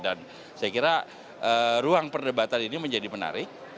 dan saya kira ruang perdebatan ini menjadi menarik